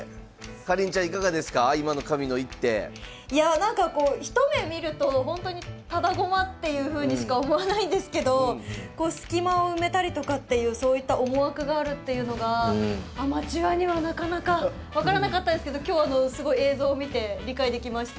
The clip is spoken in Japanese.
何か一目見ると本当にタダ駒っていうふうにしか思わないんですけど隙間を埋めたりとかっていうそういった思惑があるっていうのがアマチュアにはなかなか分からなかったですけど今日すごい映像を見て理解できました。